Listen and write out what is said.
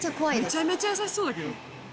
めちゃめちゃ優しそうだけど。